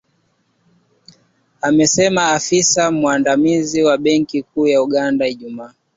Amesema afisa mwandamizi wa benki kuu ya Uganda, Ijumaa.